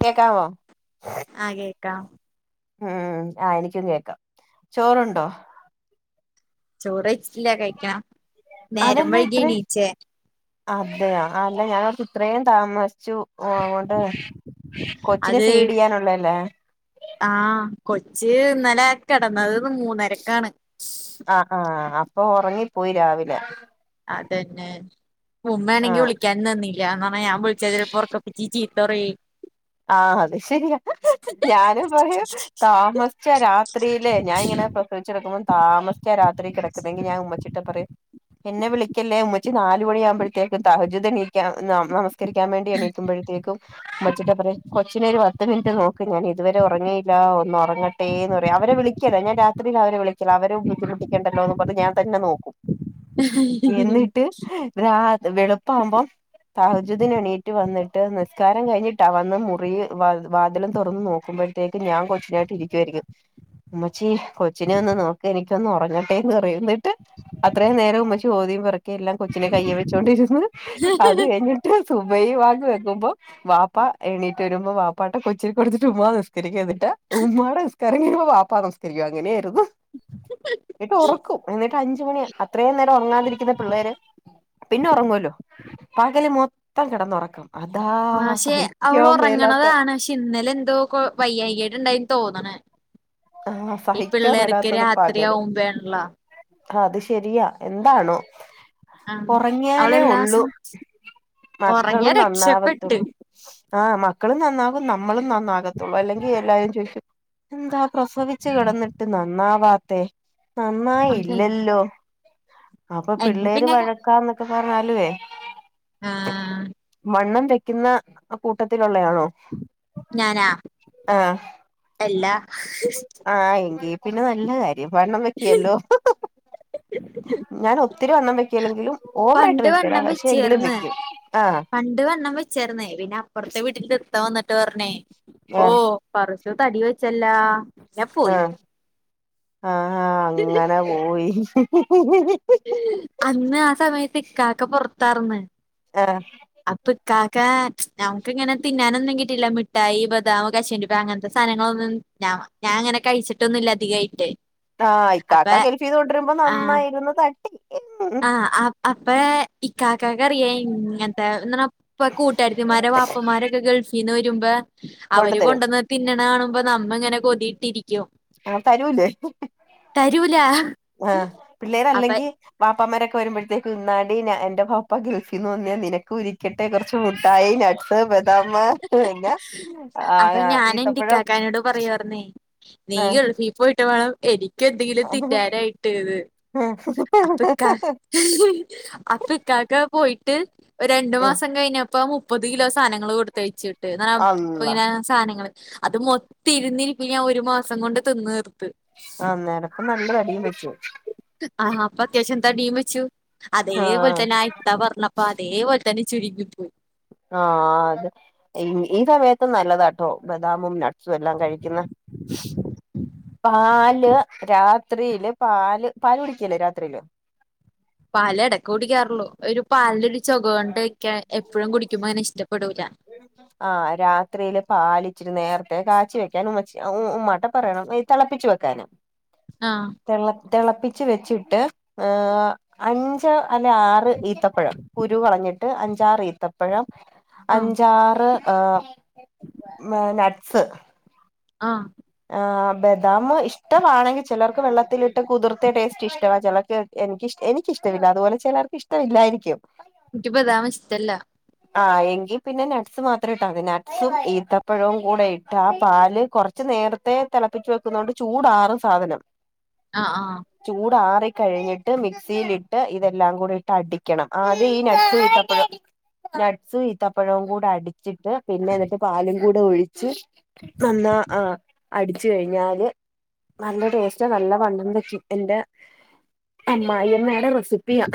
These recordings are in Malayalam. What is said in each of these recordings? കേക്കമോ ആ മ് ആ എനിക്കും കേക്കാം ചോറുണ്ടോ ചോറയ്ച്ച ഇല്ല കഴിക്കണം നേരം അതെന്നാ ഇത്രേ വൈകിഎണീചെ അതെയോ അല്ല ഞാൻ ഒർത്ത് ഇത്രയും താമസി ച്ചു ഓടെ കൊച്ചിന് അത് ഫീഡ് ചെയ്യാനുള്ളതല്ലേ ആ കൊച്ച് ഇന്നലെ കെടന്നത് മൂന്നരക്കാണ് ആ ആ അപ്പൊ ഉറങ്ങിപ്പോയി രാവിലെ അതന്നെ ഉമ്മ ആ ആണെങ്കിൽ വിളിക്കാനുംനിന്നില്ല അങ്ങനെ ഞാൻ വിളിച്ചാ ചെലപ്പോ ഒറക്ക പിച്ചിൽ ചീ തൊറി ആ അത് ശരിയാ ഞാനും പറയും താമസിച്ച രാത്രിയില് ഞാനിങ്ങനെ പ്രസവിച്ചെടുക്കുമ്പോം താമസിച്ച രാത്രി കിടക്കുന്നെങ്കി ഞാൻ ഉമ്മച്ചിട്ട് പറയും എന്നെ വിളിക്കല്ലേ ഉമ്മച്ചി നാല് മണിയാകുമ്പോഴത്തേക്കും തഹജ്ജുദ് നീക്കണം നമസ് ക്കാൻ വേണ്ടി എണീകുമ്പോഴത്തേക്കും ഉമ്മച്ചി കൊച്ചിനെ ഒരു പത്ത് മിനിറ്റ് നോക്കും ഞാൻ ഇതുവരെ ഉറങ്ങിയില്ല ഒന്ന് ഉറങ്ങട്ടെന്ന് പറ അവരെ വിളിക്കല്ല ഞാൻ രാത്രിൽ അവരെ വിളിക്കല അവര് ബുദ്ധിമുട്ടിക്കേണ്ടല്ലോന്ന് പറഞ് ഞാൻ തന്നെ നോക്കും എന്നിട്ട് രാത്രി വെളുപ്പാവുബം തഹജ്ജുദദിന് എണീറ്റ് വന്നിട്ട് നിസ്കാരം കഴിഞ്ഞിട്ടാ മുറിയിൽ വാതിലും തുറന്ന് നോക്കുമ്പോഴത്തേക്ക് ഞാൻ കൊച്ചിനായിട്ട് ഇരിക്കുവായിരിക്കും കൊച്ചി കൊച്ചിനെ ഒന്ന് നോക്ക് എനിക്ക് ച്ചൊന്നുറങ്ങട്ടെ ന്ന് പറയും ന്നിട്ട് അത്രയും നേരം ഉമ്മച്ചി ഓതിയും [unintelligible] ക്കെ എല്ലാം കൊച്ചിനെ കയ്യെ വെച്ചൊണ്ടിരുന്ന് അത് കഴിഞ്ഞിട്ട് സുബഹി ബാങ്ക് കേക്കുമ്പോ വാപ്പ എണീറ്റ് വരുമ്പോ വാപ്പാട്ടെ കൊച്ചിനെ കൊടുത്തിട്ട് ഉമ്മ നിസ്‌കരിക്കാൻ നിൽ ട്ട് ഉമ്മാടെ നിസ്കാരം കഴിയുമ്പം വാപ്പ നിസ്കരിക്കും അങ്ങനെ [unintelligible] ഉറക്കും എന്നി ട്ടഞ്ച് മണി അത്രയും നേരം ഉറങ്ങാതിരിക്കുന്ന പിള്ളേര് പിന്നെ ഉറങ്ങുവല്ലോ പകല് മൊത്തം കിടന്ന് ഒറക്കം. അതാ പക്ഷെ സഹി അവള് ഉറങ്ങണതാണ്. ക്ഷെ ഇന്നലെ എന്തോ കൊ വയ്യായികേട്ണ്ടായി തോ തോന്ന്ണെ ആ ഈ സഹിക്കാൻ പിള്ളേർക്ക് രാത്രിയാവുമ്പേൺ ള്ളൊ ആ അത് ശെരിയാ എന്താണോ ആ ഒറങ്ങിയാലേ അവളെല്ലാ ഉള്ളൂ ദിവസം ഉറങ്ങിയാ മക്കളും രക്ഷപ്പെട്ട് നന്നാവത്തുള്ളൂ. ആ മക്കളും നന്നാകും നമ്മളും നന്നാകത്തുള്ളൂ അല്ലെങ്കി എല്ലാരും ചോദിക്കും എന്താ പ്രസവിച്ചു കെടന്നിട്ട് നന്നാവാ ത്തേ. നന്നായി അതെ ഇല്ലല്ലോ. അപ്പൊ എന്നെ പിള്ളേര് പിന്നെ വഴക്കാന്ന് പറഞ്ഞാലുവേ ആ വണ്ണം വെ ക്കുന്ന കൂട്ടത്തി ലുള്ളയാണോ ഞാനാ ആ എല്ലാ ആ എങ്കീ പിന്നെ നല്ല [unintelligible] ഈ വണ്ണം വെക്കേലല്ലോ ഞാൻ ഒത് ഒത്തിരി വണ്ണം വെക്കെല്ലെങ്കിലും പണ്ട് വണ്ണം വെച്ചേർന്നെ ആഹ് പണ്ട് വണ്ണം വെച്ചേർന്നെ പിന്നെ അപ്പുറത്തെ വീട്ടിത് ഇത്ത വന്നിട്ട് പർഞ്ഞേ ഓ ആഹ് പറ ജ് തടി വെച്ചല്ലോ ആ ആ ഹാ അങ്ങനെ പോയി അന്ന് ആ സമയത്ത് ഇക്കാക്ക പൊറത്താർന്ന് ആഹ് അപ്പൊ കാ ക്കാ നമുക്കിങ്ങനെ തിന്നാനൊന്നും കിട്ടിയില്ല മിഠായി ബദാം കശുവണ്ടിപ്പ അങ്ങൻത്തെ സാനങ്ങളൊന്നും ഞ ഞാൻ അങ്ങനെ കഴിച്ചിട്ടൊന്നുല്ല അധികായിട്ട് ആ അപ്പൊ ഇക്കാക്ക ഗൾഫിന്ന് കൊണ്ടരുമ്പോ ആ നന്നായിരുന്നു തട് ആ ആപ് ആപ് പ്പയെ ഇക്ക ക്കാ ക്കറിയ ഇങ്ങൻത്തെ ന്നണ പ്പ കൂട്ടാര്ത്തിമാരെ വാപ്പമാരൊക്കെ ഗൾഫ് ഈന്ന് വരുമ്പാ കൊണ്ടു അവര് തരും കൊണ്ടന്ന് തിന്നണ കാണുമ്പോ നമ്മങ്ങനെ കൊതിയിട്ടിരി ആ തരൂല്ലേ തരൂല ആ അപ്പ പിള്ളേരല്ലെങ്കിൽ വാ പ്പമാരൊക്കെ വരുമ്പോഴത്തേക്ക് ഇന്നാടി ഞാ എന്റെ വാപ്പ ഗൾഫിൽന്ന് വന്നെയാ നിന കുരിക്കട്ടെ കുറച്ച് മുട്ടായി നട്ട്സ് [unintelligible] നമാക്ക് പിന്നെ ആ അപ്പൊ ഞാൻ ഈത്തപ്പഴം ആഹ് നീഗൾഫീ പോയി നട്ട് വേണം എനി ക്കെന്തെങ്കിലും തിന്നാനായിട്ട് ന്ന് അപ്പൊക്കാ അപ്പൊക്കാക്ക പോയി [unintelligible] രണ്ടു മാസം കഴിഞ്ഞപ്പ മു പ്പത് കിലോ സാധനങ്ങള് കൊട് തയ്ച്ച് [unintelligible] അള്ളാ പ്പഇങ്ങനെ സാധനങ്ങള് അത് മൊത്തി ഇരുന്നിപ്പിന് ഞാൻ ഒരു മാസം കൊണ്ട് തിന്ന് തീർ ആന്നേരപ്പ നല്ല അടിയും വെച്ചു ആ അപ്പ അത്യാവശ്യം തടിയും വെച്ചു അതേപോലെ ആഹ് തന്നെ ആയിട്ടാ പറഞ്ഞപ്പ അതേപോലെ തനി ചുരികുത് ആ അതെ ഈ സമയ നല്ലതാട്ടോ ബദാമും നട്ട്സും എല്ലാം കഴിക്കുന്നെ പാല് രാത്രിയില് പാല് പാല് കുടിക്കല്ലേ രാത്രിയില് പാല് എടക്ക് കുടിക്കാറുള്ളൂ ഒരു പാലിന്റെ രൂ ചോഖ കൊണ്ട് ക്കെ എപ്പോഴും കുടിക്കുമ്പോ അങ്ങനെ ഇഷ്ടപ്പെടൂല ആ രാത്രിയില് പാലിച്ചിരി നേരത്തെ കാച്ചി വെക്കന് ഉമ്മച്ചി ഉ ഉമ്മാട്ത്തു പറയണം തെളപ്പിച്ചു വെക്കാന് ആഹ് തെള തിളപ്പിച്ചച്ച് വെച്ചിട്ട് അഞ്ച് അല്ല ആറ് ത്തപഴം കുരു കളഞ്ഞിട്ട് അഞ്ച് ഞ്ചാറീത്തപ്പഴം ആഹ് അഞ്ചാറ് ആഹ് മെ നട്സ് ആഹ് ആ ബദാമ് ഇഷ്ടമാണെങ്കി ചിലർക്ക് വെള്ളത്തിലിട്ട് കുതിർത്ത ടേസ്റ്റ് ഇഷ്ടവാ ചിലർക്ക് എനിക്ക് ഇഷ് എനിക്കിഷ്ടവില്ല അതുപോലെ ചിലർക്ക് ഇഷ്ടവില്ലായിരിക്കും എനിക്ക് ബേദം ഇഷ്ട്ടല ആ എങ്കി പിന്നെ നട്സ് മാത്രം ഇട്ടാ മതി നട്ട്സും ഈത്തപ്പഴവും കൂടെ ഇട്ട് ആ പാല് കുറച്ച് നേര ത്തെ തിളപ്പിച്ച് വെക്കുന്നൊണ്ട് ചൂടാറും സാധനം ആഹ് ആഹ് ചൂട് ആറി കഴികിട്ട് മിക്സിയിലിട്ട് ഇതെല്ലാം കൂടിട്ട് അടിക്കണം ആദ്യം ഈ നട്സു ഈന്തപ്പഴം നട്സ് ഈന്തപ്പഴം കൂടി അടിച്ചി പിന്നെ എന്നട്ട് പാലും കൂടെ ഒഴിച്ച് നന്നാ ആഹ് അടിച്ചു കഴിഞ്ഞാല് നല്ല ടേസ്റ്റ് നല്ല വണംവെക്കും എന്റെ അമ്മായിന്നെ നല്ല റെസിപ്പിയ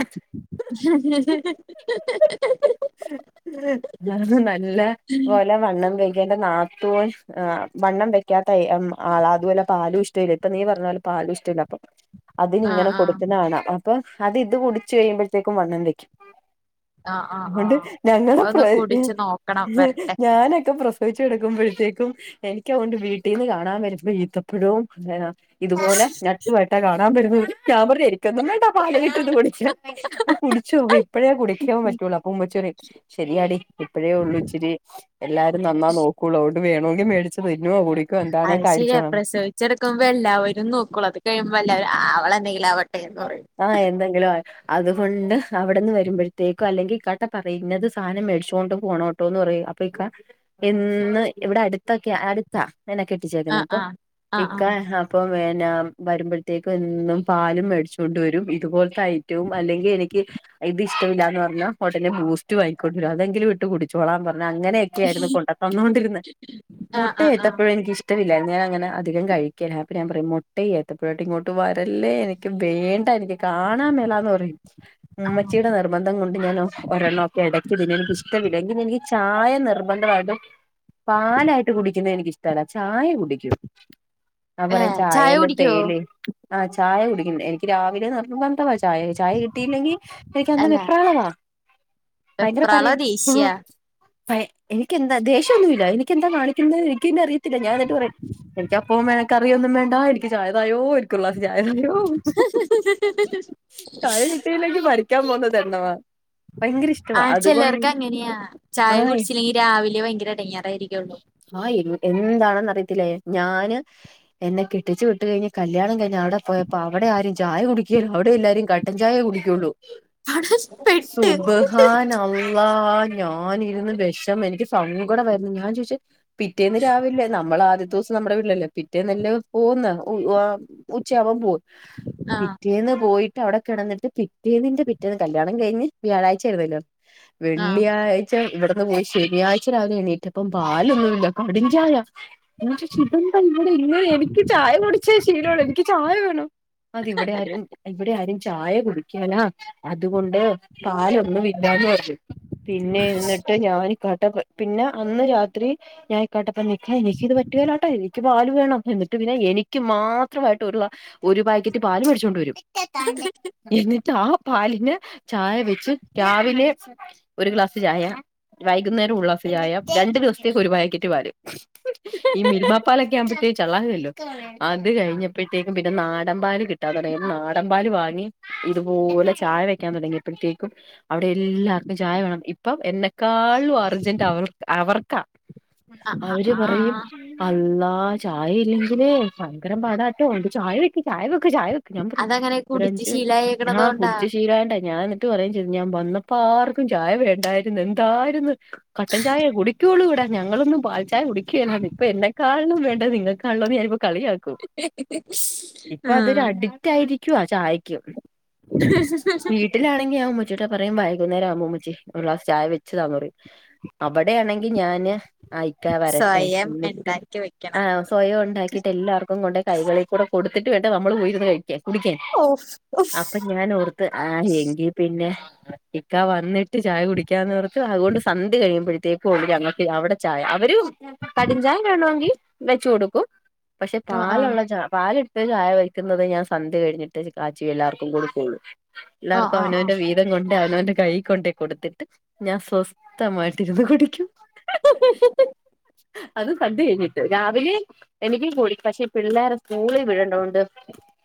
നല്ല പോലെ വണ്ണം വെഴ് എന്റെ നാത്തൂൻ അഹ് വണ്ണം വെക പിക്കാത്ത എം ആളാ അതുപോലെ പാലും ഇഷ്ടില്ല ഇപ്പ നീ പറഞ്ഞ പോലെ പാലും ഇഷ്ടില്ല അപ്പൊ ആഹ് അതിനിങ്ങനെ ആഹ് കൊടുക്കുന്നകാണം ആ അപ്പൊ അത് ഇത് കുടിച്ച് കഴിയുമ്പോഴത്തേക്കും വണ്ണം വെക്കും ആഹ് ആഹ് അതോണ്ട് ആഹ് ഞങ്ങള പ്ര ഒന്ന് കുടിച്ച് നോക്കണം വരട്ടെ [unintelligible] ഞാനൊക്കെ പ്രശ [unintelligible] ച്ചെടക്കുമ്പോഴത്തേക്കും എനിക്ക്തൊണ്ട് വീ ട്ടിന്ന് കാണാൻ വരുമ്പയ് ഈന്ത പഴവും എന ഇതുപോലെ ഞട്ടുപട്ട കാണു കാണ്ണൻ വരുമ്പ അവര് ഞാൻ പറഞ് എനിക്കൊന്നും വേണ്ടാ പാല് കിട്ടന്ന കുടിച്ച് അത് കുടിച്ചോ ഇപ്പഴേ കുടിക്ക പറ്റുള്ളൂ അപ്പൊ ഉമ്മച്ചി പറെ ശരിയാടി ഇപ്പഴേ ഉള്ളു ഇച്ചിരി എല്ലാരും നന്നാ നോക്കുള്ളു വെണോങ്കി മേടിച്ച് തിന്നോ കു അത് ശരിയാ പ്രസവിച്ചെടുക്കുമ്പോ എല്ലാവരും നോക്കളൂ അത് കഴിയുമ്പോ എല്ലാവരും [unintelligible] അവളെന്തെങ്കിലും അവ ആ എന്തെങ്കിലും അതുകൊണ്ട് അവിടെന്ന് വരുമ്പോഴത്തേക്കും അല്ലെങ്കിൽ ക്കാട്ടെ പറയ് ഇങ്ങനത്തെ സാനം മേടിച്ചോണ്ട് പോണോട്ടോ എന്ന് പറയും അപ്പൊ ഇക്ക എന്ന് ഇവിടെ അടുത്തൊക്കെ അടുത്താ ന്നനെ കെട്ടിച്ചേക്കുന്ന ആഹ് അപ്പൊ ആഹ് ആഹ് ഇക്കാ അപ്പൊ വേന വരുമ്പോഴത്തേക്കു എന്നും പാലും മേടി ച്ചോണ്ട് വരും ഇതുപോലത്തെ ഐറ്റവും അല്ലെങ്കി എനിക്ക് ഇഷ്ടമില്ല എന്ന് പറഞ്ഞാ ഒടനെ ബൂസ്റ്റ് വയിക്കൊണ്ട വരും അതെങ്കിലും ഇട്ട് കുടിച്ചോളൻ പറ അങ്ങനെയൊക്കെയ ആയിരുന്നു കൊണ്ടത്തന്നൊണ്ടിരന്ന് ആഹ് മുട്ട ആഹ് ആഹ് ആഹ് ഏത്തപ്പഴോ എനിക്ക ഇഷ് ഇറ്റമില്ലായിരുന്നു ഞാൻ അങ്ങെ അധികം കഴിക്കല്ല അപ്പ ഞൻ പറയും മുട്ട ഏത്തപ്പോഴായിട്ട് ഇങ്ങോട്ട് വരല്ലേ എനിക്ക് വേണ്ട എനിക്ക് കാണാൻ മേലാന്ന് പറയും ആഹ് ഉമ്മച്ചിയുടെ നിർബന്ധം കൊണ്ട് ഞാനോ ഒരെണ്ണം ഒക്കെ എടയ്ക്ക് തിന്നും എനിക്ക് ഇഷ്ടമില്ല എങ്കിൽ എനിക്ക് ചായ നിർബന്ധമായിട്ടും പാലായിട്ട് കുടിക്കുന്നത് എനിക്കിഷ്ടല്ല ചായ കുടിക്കും ആ പറ ഏഹ് ചായ ചായേൽ കുടിക്കോ തേയില് ആ ചായ കു എനിക്ക് രാവിലെ നിർബന്ധമാ ചായ ചായ കിട്ടിയില്ലെങ്കിൽ എനിക്ക് അന്ന് അല്ല വെപ്രാളവാ ഭയങ്കര പര വെപ്രാളോ ദേഷ്യാ പ എനിക്ക എന്താ ദേഷ്യൊന്നുമല്ല എനിക്ക എന്താ കാണിക്കുന്നത് എനിക്ക് അറിയത്തില്ല ഞാൻ എന്നിട്ട് പറയും എനിക്ക അപ്പോ ക്കറിയൊന്നും വേണ്ട എനിക്ക് ചായതായോ എനിക്ക് ഒരു ഗ്ലാസ്‌ ചായ തായോ [inaudible] പഠിക്കാൻ പോകുന്നതണ്ണമാ ആ ചിലർക്ക് അങ്ങനെയാ ചായ ആഹ് കുടിച്ചില്ലെങ്കി രാവിലെ ഭയങ്കര ഇടങ്ങാറായിരിക്കു ലെ ഞാന് എന്നെ കെട്ടിച്ചു വിട്ട കഴിഞ് കല്യാണം കഴിഞ്ഞ് അവിടെ പോയപ്പോ അവിടെ ആരും ചായ കുടിക്കുകല്ലോ അവിടെ എല്ലാരും കട്ടൻ ചായേ കുടിക്കയുള്ളൂ അവിടെ പെട്ട് സുബഹാന അള്ളാ ഞാനിരുന്ന് വിഷമം എനിക്ക് സങ്കടം വന്ന് ഞാൻ ചോദിച് പിറ്റേന്ന് രാവിലെ നമ്മള ആദ്യത്തെ ദിവസം നമ്മുടെ വീട്ടിലല്ലേ പിറ്റേന്ന് അല്ലെ പോകുന്നെ ഉച്ചയാവുമ്പോ പോ ആഹ് പിറ്റേന്ന് പോയിട്ട് അവിടെ കിടന്നിട്ട് പിറ്റേന്നിന്റെ പിറ്റേന്ന് കല്യാണം കഴിഞ്ഞ് വ്യാഴാഴ്ചായിരുന്നല്ലോ ആഹ് വെള്ളിയാഴ്ച ഇവിടെ അ പോയി ശനിയാഴ്ച രാവിലെ എണീറ്റപ്പം പാലൊന്നുല്ല കടും ചായ ഞാൻ ചോദിച്ചു ഇതു എന്താ ഇങ്ങനെ എനിക്ക് ചായ കുടിച്ചെ ശീലമുള്ളു എനിക്ക് ചായ വേ അത് ഇവിടെ ആരും ഇവിടെ ആരും ചായ കുടിക്കാലാ അതുകൊണ്ട് പാലൊന്നും ഇല്ലാന്ന് പറഞ്ഞു പിന്നെ എന്നിട്ട് ഞാൻ കട്ടന പിന്നെ അന്ന് രാത്രി ഞാൻക്കനോട് ഇക്ക എനിക്ക് ഇത് പറ്റുകല്ലാട്ടോ എനിക്ക് പാല് വേണം എന്നിട്ട് പിന്നെ എനിക്ക് മാത്രമായിട്ട് ഒരു ഒരു പാക്കറ്റ് പാല് മേടിച്ചുകൊണ്ട് വരും എന്നിട്ട് പാലിന് ചായ വെച്ച് രാവിലെ ഒരു ഗ്ലാസ് ചായ വൈകുന്നേരം ഒരു ഗ്ലാസ് ചായ രണ്ടു ദിവസത്തേക്ക് ഒരു പയ്ക്കറ്റ് പാല് ഉ [inaudible] ഈ മിൽമാപ്പാലൊക്കെ ആവുമ്പത്തേക്കു ചള്ളവല്ലോ അത് കഴിഞ്ഞപ്പോഴത്തേക്കും നാടമ്പാല് കി നാടമ്പാല് വാ ഇതുപോലെ ചായ വെക്കാൻ തുടങ്ങിയപ്പോഴത്തേക്കും അവിടെ എല്ലാർക്കും ചായ വേണം ഇപ്പം എന്നെക്കാളും അർജന്റ് അവർ അവർ ക ആഹ് ആഹ് അവര് പറയും ആഹ് അല്ലാഹ് ആ ചായ ഇല്ലെങ്കില് ഭയങ്കരം പാടാട്ടോ ചായ വെക്ക് ചായ വെ ക്ക് ചായവെക്ക് ഞാൻ പറഞ്ഞ് അതങ്ങനെ കുടിച്ച് ഒരഞ്ച് മിനി ശീലായേക്കണത് ആഹ് കൊണ്ടാ കുടിച്ച് ശീലായോണ്ടേ ഞാൻ ട്ട് പറയും ചെയ്ത് ഞാൻ വന്നപ്പ ആർക്കും ചായ വേണ്ടായിരുന്ന് എന്തായിരിന്ന്. കട്ടൻ ചായേ കുടിക്കുള്ളൂ ഇവിടെ ഞങ്ങളൊന്നും പാൽചായ കുടി [unintelligible] ഇപ്പോ എന്നെക്കാളിലും വേ ണ്ടത് നിങ്ങക്കാണല്ലോന്ന് ഞാനിപ്പോ കളിയാക്കും. ഇപ്പോ അതൊരു ഉം അടിക്റ്റാ രിക്കുവാ ചായക്ക് വീട്ടിലാണെങ്കിൽ ആ മ്മച്ചീടെ പറയും വൈകുന്നേരം ആവുമ്പോ അമ്മച്ചി ഒരു ഗ്ലാസ്‌ ചായ വെച്ചു താ പറയും അവിടെയാണെങ്കിൽ ഞാന് അയിക്കാ വരട്ടെ സ്വയം എന്നിട്ട് ഉണ്ടാക്കി വെക്കണം ആഹ് സ്വയം ഉണ്ടാക്കിട്ട് എല്ലാർക്കും കൊണ്ടേ കൈകളിൽ കൂടെ കൊടുത്തിട്ട് വേണ്ടെ നമ്മൾപോയിരുന്ന് കഴി കുടിക്കൻ ഓഫ് അപ്പൊ ഞാൻ ഓർത്ത് ആ എങ്കി പിന്നെ ഇക്ക വന്നിട്ട് ചായ കുടിക്കാന്ന് പറ അതൊണ്ട് സന്ധ്യ കയിമ്പഴത്തേ [unintelligible] ഞങ്ങൾക്ക് അവിടെ ചായ അവര് കട്ഞ്ചാഇടണോങ്കി വെച്ച് കൊടുക്കും പക്ഷെ ആഹ് പാലൊ ആഹ് പാല്ട്ട് ചായ വക്കുന്നത് ഞാൻ സന്ധ്യ കഴിഞ്ഞിട്ട് കാച്ചി എല്ലാർക്കും കൊടുകൂള്ളു ആഹ് എല്ലാർക്കും ആഹ് അവനവന്റെ വീതം കൊ അവനവന്റെ കൈ കൊണ്ടോയി കൊടുത്തിട്ട് ഞാൻ സ്വസ്ഥമായിട്ട് ഇരുന്ന് കുടിക്കും അത് കണ്ട് കഴിഞ്ഞിട്ട് രാവിലെ എനിക്കും കൂടി പക്ഷേ ഈ പിള്ളേരെ സ്കൂളി വിടണ്ടോണ്ട്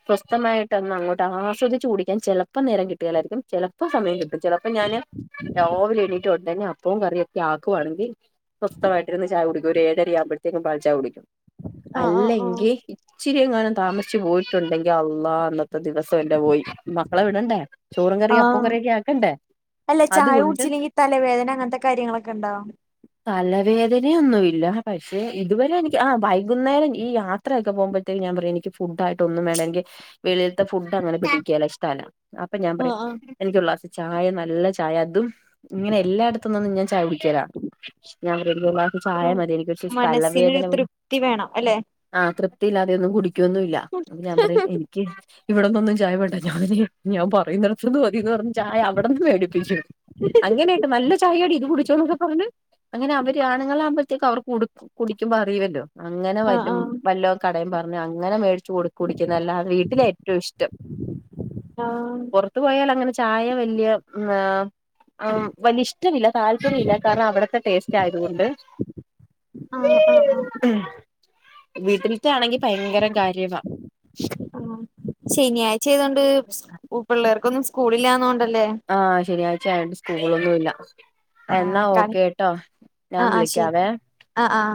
സ്വസ്ഥതമായിട്ട് ഒന്ന് അങ്ങോട്ട് ആസ്വദിച്ച് കുടിക്കാൻ ചിലപ്പോ നേരം കിട്ടെലായിരിക്കും ചിലപ്പോ സമയം കി ചിലപ്പോ ഞാന് രാവിലെ എണീറ്റെ ഉടനെ പ്പോം കറിയൊക്കെ ആക്കുവാണെങ്കി സ്വസ്ത്തയിട്ടിരുന്ന് ചായ കുടി ഒരു ഏഴര ആമ്പോഴത്തേക്കും പാൽ ചായ കുടിക്കും. ആഹ് ആഹ് ആഹ് ആഹ് അല്ലങ്കി ഇച്ചിരിങ്ങാനും താമസിച്ച് പോയിട്ടുണ്ടെങ്കി അള്ളാ അന്ന് ത്തെ ദിവസം എന്റെ പോയി മക്കളെ വിടണ്ടേ ചോറും കറി അപ്പം ആഹ് കറിയൊക്കെ ആക്കണ്ടേ അല്ല ചായ അതുകൊണ്ട് കുടിച്ചില്ലെങ്കി തലവേദന അങ്ങനത്തെ കാര്യങ്ങളൊക്കെ ഉണ്ടോ തല വേദനയൊന്നുല്ല പക്ഷെ ഇതുവരെ എനിക്ക് ആഹ് വൈകുന്നേരം ഈ യാത്രയൊക്കെ പോകുബം ത്തിൻ ഞാൻ പറയ എനിക്ക് ഫുഡായിട്ട് ഒന്നും വേണ്ട എനിക്ക് വെളി ത്തെ ഫുഡ് അങ്ങനെ പിടിക്കേല ഷ്ടല്ല അപ്പൊ ഞാൻ ആഹ് പറയും ആഹ് എനിക്ക് ഒരു ഗ്ലാസ്‌ ചായ നല്ല ചായ അതും ഇങ്ങനെ എല്ലായിടത്ത്ന്നൊന്നും ഞാൻ ചായ കുടിക്യേല ഞാൻ പറിം എനിക്കൊരു ഗ്ലാസ് ചായ ഒരു മതി എനിക്ക് ഒരു സേയ്സ് തല മനസ്സിനൊരു വേദന വരും തൃപ്തി വേണം അല്ലെ ആഹ് തൃപ് പ്തില്ലാതെന്നും കുടി ക്കൊന്നുല്ല അപ്പം ഞാൻ പറയും എനിക്ക് ഇവിട്ന്നൊന്നും ചായ വേണ്ട ഞാന് ഞാൻ പറയുന്നിട ത്തൂന്ന് മതീന്ന് പറഞ്ഞ് ചായ അവിടെന്ന് മേടിപ്പിച്ചു അങ്ങനെയൊക്കെ നല്ല ചായാടി ഇത് കുടി ച്ചോ ന്നക്കെ പറഞ്ഞെ അങ്ങനെ അവര് ആണുങ്ങളാവുമ്പോഴത്തേക്ക് അവർ കുടു കുടിക്കുമ്പോ അറീലല്ലോ അങ്ങനെ ആഹ് വരും ആഹ് വല്ലോ കടയും പറഞ്ഞ് അങ്ങനെ മേടി ചൂട് കുടിക്കുന്നല്ലാ വീട്ടില് ഏറ്റം ഇഷ്ടം ആഹ് പുറത്ത് പോയാൽ അങ്ങനെ ചായ വലിയ ഉംഹ ആഹ് വല്ല്യ ഇഷ്ടമില്ല താല്പര്യല്ല കാരണം അവിടത്തെ ടേസ്റ്റ് ആയതുകൊണ്ട് ആഹ് ആഹ് ആഹ് വീട്ടിൽ റ്റ ആണെങ്കി ആഹ് ശനിയായ്ച്ചായ്തോ അ് സ്‌കൂൾ പിള്ളേർ ക്കൊന്നും സ്കൂളിലാന്നോ ആ ശനിയാഴ്ച്ച ആയോണ്ട് സ്കൂളൊന്നുല്ല ആ എന്നാ കളി ഓക്കെ ട്ടോ ആ ഞാൻ ആ ശരി വിളിക്കാവേ ആ ആ